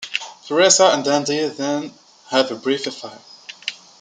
Teresa and Dundee then have a brief affair.